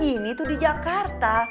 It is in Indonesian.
ini tuh di jakarta